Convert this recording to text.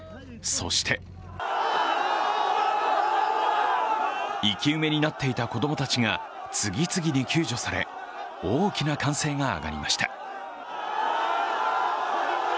そして生き埋めになっていた子供たちが次々に救助され、大きな歓声が上がりました。